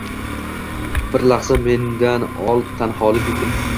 Bir lahza mendan ol tanholik yukin.